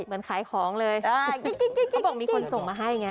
เหมือนขายของเลยเขาบอกมีคนส่งมาให้ไง